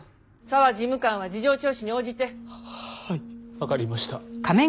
わかりました。